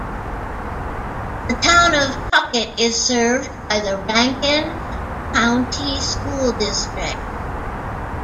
The town of Puckett is served by the Rankin County School District.